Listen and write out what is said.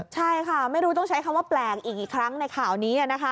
ใช่ค่ะไม่รู้ต้องใช้คำว่าแปลกอีกกี่ครั้งในข่าวนี้